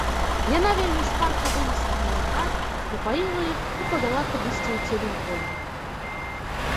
Яна вельмі шпарка вынесла малака, напаіла іх і павяла кудысьці ў цемень поля.